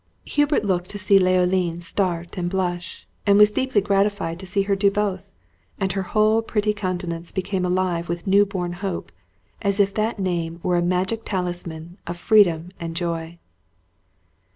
Hubert looked to see Leoline start and blush, and was deeply gratified to see her do both; and her whole pretty countenance became alive with new born hope, as if that name were a magic talisman of freedom and joy.